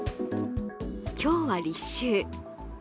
今日は立秋。